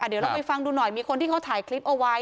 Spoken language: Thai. เดี๋ยวลองไปฟังดูหน่อยมีคนที่เขาถ่ายคลิปเอาไว้